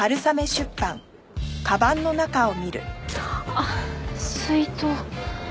あっ水筒。